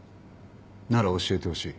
なら教えてほしい。